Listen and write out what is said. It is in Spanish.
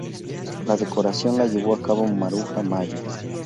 La decoración la llevó a cabo Maruja Mallo.